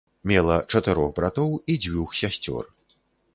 Мела чатырох братоў і дзвюх сясцёр.